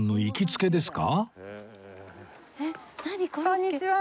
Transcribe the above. こんにちは！